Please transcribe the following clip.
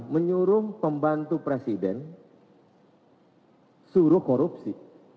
menyuruh pembantu presiden suruh korupsi